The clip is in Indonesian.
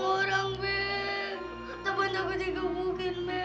tolong takutin kebukin b